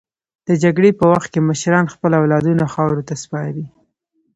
د جګړې په وخت کې مشران خپل اولادونه خاورو ته سپاري.